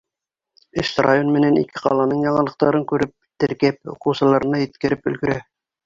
Өс район менән ике ҡаланың яңылыҡтарын күреп, теркәп, уҡыусыларына еткереп өлгөрә.